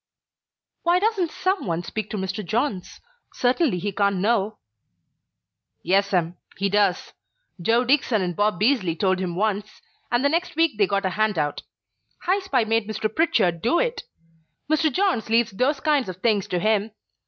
"Why doesn't some one speak to Mr. Johns? Certainly he can't know " "Yes 'm, he does. Joe Dickson and Bob Beazley told him once, and the next week they got a hand out. High Spy made Mr. Pritchard do it. Mr. Johns leaves those kinds of things to him.